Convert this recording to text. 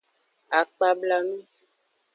Akpablanu.